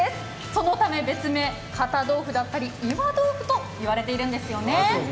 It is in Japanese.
そのため別名、堅豆腐だったり岩豆腐と言われているんですよね。